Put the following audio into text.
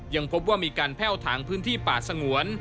ยังพบว่ามีการแพ่วถางพื้นที่ป่าสงวน